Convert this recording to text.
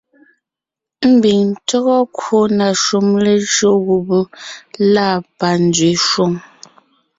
Mbiŋ tÿɔ́gɔ kwò na shúm lejÿó gubé lâ panzwě shwòŋ,